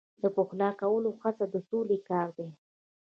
د پخلا کولو هڅه د سولې کار دی.